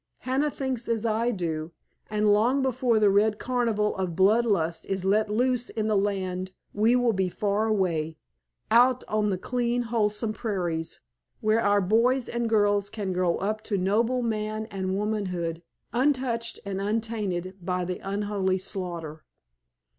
Hannah thinks as I do, and long before the red carnival of blood lust is let loose in the land we will be far away, out on the clean, wholesome prairies, where our boys and girls can grow up to noble man and womanhood untouched and untainted by the unholy slaughter."